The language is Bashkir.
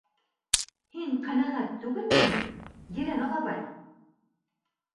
Һин ҡәнәғәт түгелме ни, ерән алабай?